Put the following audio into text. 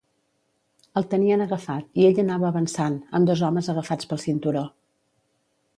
El tenien agafat i ell anava avançant, amb dos homes agafats pel cinturó.